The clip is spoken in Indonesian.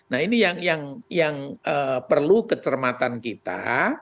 nah ini yang perlu kecermatan kita